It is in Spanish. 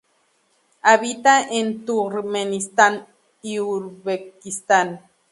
Habita en Turkmenistán y Uzbekistán.